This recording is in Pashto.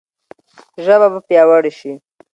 ژبه به پیاوړې شي.